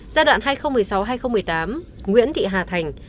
giai đoạn hai nghìn một mươi sáu hai nghìn một mươi tám nguyễn thị hà thành